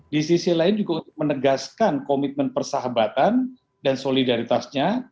di sisi lain juga untuk menegaskan komitmen persahabatan dan solidaritasnya